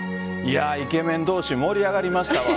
イケメン同士盛り上がりましたわ。